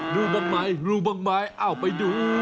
รู้บ้างมั้ยรู้บ้างมั้ยเอ้าไปดู